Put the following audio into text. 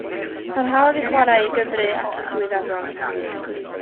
Parhaodd i chwarae i Gymru ac i Swydd Efrog.